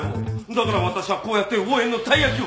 だから私はこうやって応援のたい焼きを。